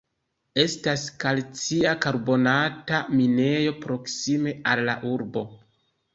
Estas kalcia karbonata minejo proksime al la urbo.